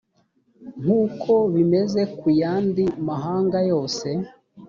nk uko bimeze ku yandi mahanga yose